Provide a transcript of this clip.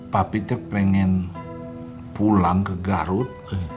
pak peter pengen pulang ke garut